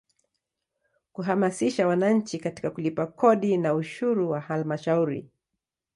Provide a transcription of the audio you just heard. Kuhamasisha wananchi katika kulipa kodi na ushuru wa Halmashauri.